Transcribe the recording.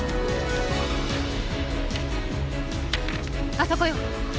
あそこよ。